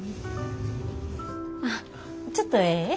あっちょっとええ？